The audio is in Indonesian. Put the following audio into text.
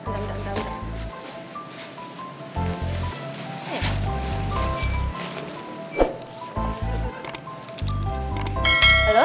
bentar bentar bentar